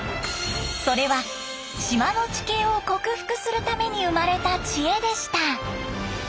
それは島の地形を克服するために生まれた知恵でした。